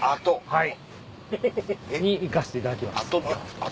はい。